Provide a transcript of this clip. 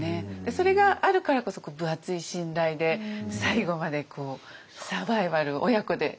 それがあるからこそ分厚い信頼で最後までサバイバル親子でしちゃうっていう。